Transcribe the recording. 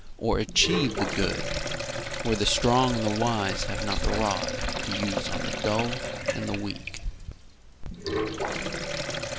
Or achieve the good, Where the strong and the wise have not the rod To use on the dull and weak.